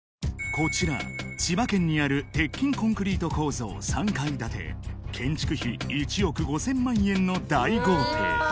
こちら千葉県にある鉄筋コンクリート構造３階建て建築費１億５０００万円の大豪邸